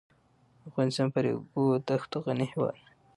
افغانستان په ریګ دښتو غني هېواد دی.